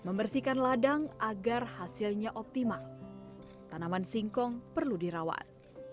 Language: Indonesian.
membersihkan ladang agar hasilnya optimal tanaman singkong perlu dirawat